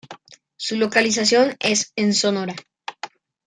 Su localización es en Sonora.